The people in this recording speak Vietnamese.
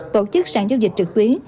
tổ chức sản dấu dịch trực tuyến